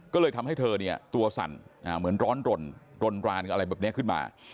ก็เลยทำให้เธอเนี่ยตัวสั่นเหมือนร้อนรนรนรานอะไรแบบนี้ขึ้นมา